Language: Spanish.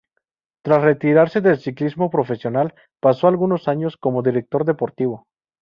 Tras retirarse del ciclismo profesional, pasó algunos años como director deportivo.